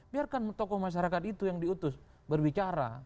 biarkan tokoh masyarakat itu yang diutus berbicara